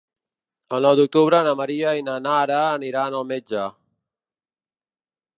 El nou d'octubre na Maria i na Nara aniran al metge.